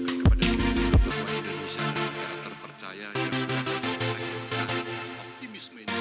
kita akan menunjukkan kepada dunia ini